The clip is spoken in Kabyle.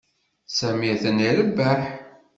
Sami atan irebbeḥ.